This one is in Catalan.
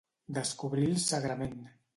Descobrir el sagrament.